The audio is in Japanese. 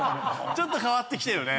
ちょっと変わってきてるね。